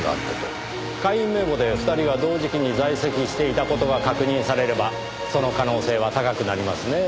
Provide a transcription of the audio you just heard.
会員名簿で２人が同時期に在籍していた事が確認されればその可能性は高くなりますねぇ。